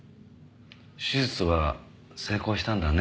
手術は成功したんだね。